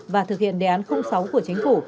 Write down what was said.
và thực hiện đề án sáu của chính phủ